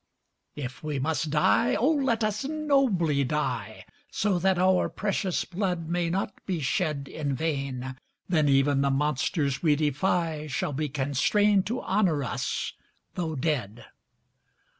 If we must die, O let us nobly die, So that our precious blood may not be shed In vain; then even the monsters we defy Shall be constrained to honor us though dead!